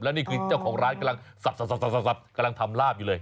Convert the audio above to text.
นี่คือเจ้าของร้านกำลังสับกำลังทำลาบอยู่เลย